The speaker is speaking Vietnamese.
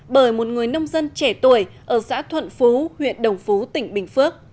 bởi một người nông dân trẻ tuổi ở xã thuận phú huyện đồng phú tỉnh bình phước